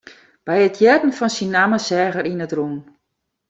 By it hearren fan syn namme seach er yn it rûn.